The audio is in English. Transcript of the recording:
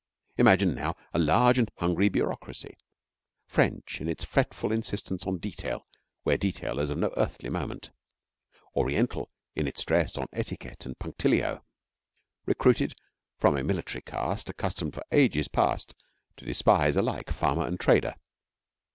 Imagine now, a large and hungry bureaucracy, French in its fretful insistence on detail where detail is of no earthly moment, Oriental in its stress on etiquette and punctillo, recruited from a military caste accustomed for ages past to despise alike farmer and trader.